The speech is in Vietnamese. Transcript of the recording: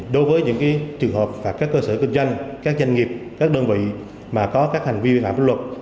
đối với những trường hợp và các cơ sở kinh doanh các doanh nghiệp các đơn vị mà có các hình vi phạm hợp luật